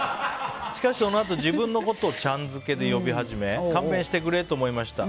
しかしそのあと、自分のことをちゃん付けで呼び始め勘弁してくれと思いました。